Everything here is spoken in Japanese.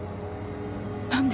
何で？